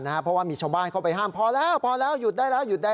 เพราะว่ามีช่องบ้านเข้าไปห้ามพอแล้วอยุดได้แล้วไปดูกัน